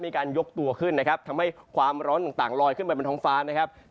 มีการยกตัวขึ้นนะครับทำให้ความร้อนต่างลอยขึ้นไปบนท้องฟ้านะครับ